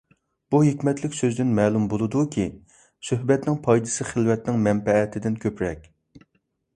بۇ ھېكمەتلىك سۆزدىن مەلۇم بولىدۇكى، سۆھبەتنىڭ پايدىسى خىلۋەتنىڭ مەنپەئىتىدىن كۆپرەك.